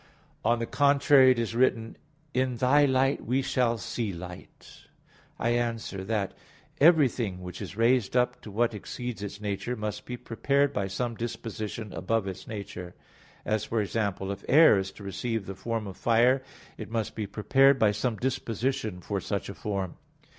On the contrary, It is written: "In Thy light we shall see light" (Ps. 35:10). I answer that, Everything which is raised up to what exceeds its nature, must be prepared by some disposition above its nature; as, for example, if air is to receive the form of fire, it must be prepared by some disposition for such a form.